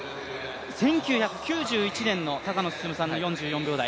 １９９１年の高野進さんの４４秒台。